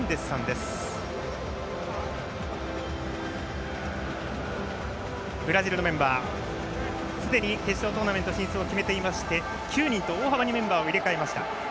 すでに決勝トーナメント進出を決めていて９人と大幅にメンバーを入れ替えました。